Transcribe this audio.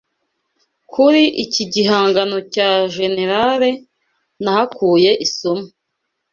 kuri iki gihangano cya Generare nahakuye isomo